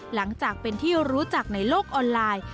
หลังจากเป็นที่รู้จักในโลกออนไลน์